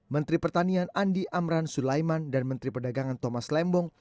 menteri pertanian andi amran sulaiman dan menteri perdagangan thomas lembong